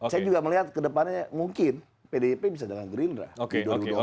saya juga melihat kedepannya mungkin pdip bisa dengan gerindra di dua ribu dua puluh empat